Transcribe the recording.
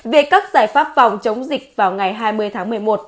về các giải pháp phòng chống dịch vào ngày hai mươi tháng một mươi một